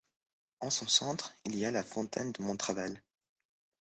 En son centre il y a la Fontaine de Montravel.